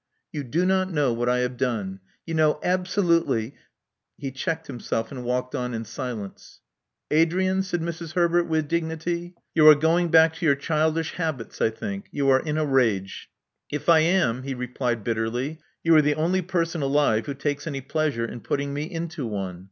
You do not know what I have done. You know absolutely " He checked himself and walked on in silence. "Adrian," said Mrs. Herbert, with dignity: you are going back to your childish habits, I think. You are in a rage." "If I am," he replied bitterly, "you are the only person alive who takes any pleasure in putting me into one.